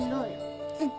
うん。